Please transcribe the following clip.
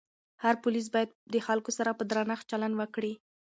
هر پولیس باید د خلکو سره په درنښت چلند وکړي.